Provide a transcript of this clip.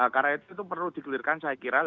karena itu perlu dikelirkan saya kira